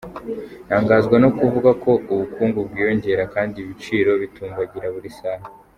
ntangazwa no kuvuga ko ubukungu bwiyongera kandi ibiciro bitumbagira buri saha.